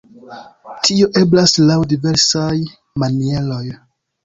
Tio eblas laŭ diversaj manieroj.